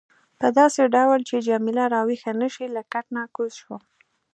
په داسې ډول چې جميله راویښه نه شي له کټ نه کوز شوم.